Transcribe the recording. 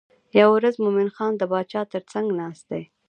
یوه ورځ مومن خان د باچا تر څنګ ناست دی.